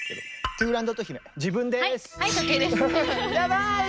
自分です。